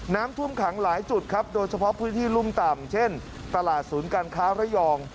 น้ำท่วมขังหลายจุดครับโดยเฉพาะพื้นที่รุ่มต่ำเช่นตลาดศูนย์การค้าระยอง